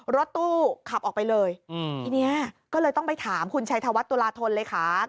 รถตู้ขับออกไปเลยทีนี้ก็เลยต้องไปถามคุณชัยธวัฒนตุลาธนเลขา